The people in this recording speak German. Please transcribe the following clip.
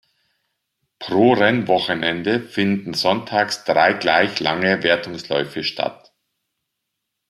Pro Rennwochenende finden sonntags drei gleich lange Wertungsläufe statt.